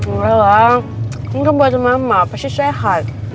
ya allah ini kan buat mama pasti sehat